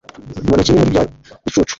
mbona kimwe muri bya bicucu